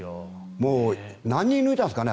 もう何人抜いたんですかね。